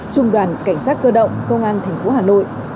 trung đoàn cảnh sát cơ động công an thành phố hà nội